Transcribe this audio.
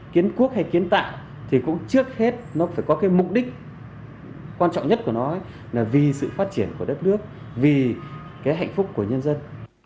kiến quốc hay kiến tạo thì cũng trước hết nó phải có cái mục đích quan trọng nhất của nó là vì sự phát triển của đất nước vì cái hạnh phúc của nhân dân